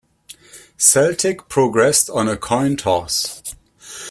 Celtic progressed on a coin toss.